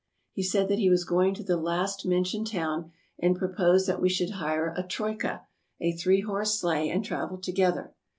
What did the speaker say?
He said that he was going to the last mentioned town, and proposed that we should hire a troika — a three horse sleigh — and travel together.